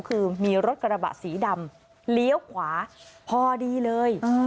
คือมีรถกระบะสีดำเลี้ยวขวาพอดีเลย